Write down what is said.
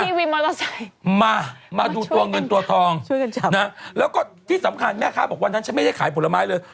มีวินมอเตอร์ไซค์มามาดูตัวเงินตัวทองช่วยกันจับนะแล้วก็ที่สำคัญแม่ค้าบอกวันนั้นฉันไม่ได้ขายผลไม้เลย